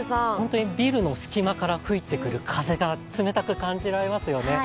ビルの隙間から吹いてくる風が冷たく感じられますよね。